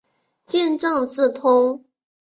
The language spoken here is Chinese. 见正字通。